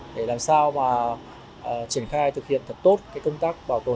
để làm sao mà triển khai thực hiện thật tốt công tác bảo tồn